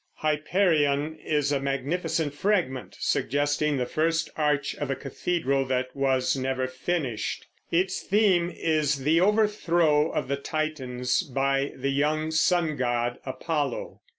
"Hyperion" is a magnificent fragment, suggesting the first arch of a cathedral that was never finished. Its theme is the overthrow of the Titans by the young sun god Apollo.